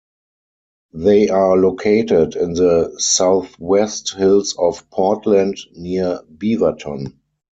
They are located in the southwest hills of Portland, near Beaverton.